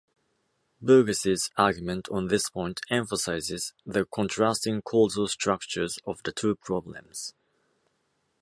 Burgess's argument on this point emphasizes the contrasting causal structures of the two problems.